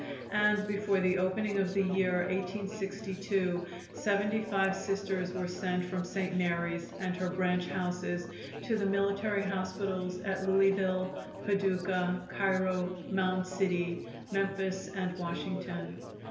And before the opening of the year 1862 seventy five Sisters were sent from St. Mary's, and her branch houses, to the military hospitals at Louisville, Paducah, Cairo, Mound City, Memphis and Washington.